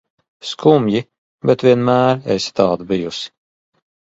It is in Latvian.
Skumji, bet vienmēr esi tāda bijusi.